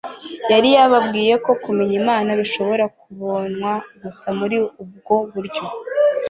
Yari yababwiye ko kumenya Imana bishobora kubonwa gusa muri ubwo buryo,